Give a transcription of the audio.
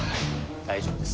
大丈夫です。